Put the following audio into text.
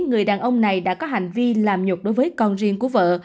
người đàn ông này đã có hành vi làm nhục đối với con riêng của vợ